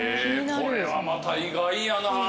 これはまた意外やな。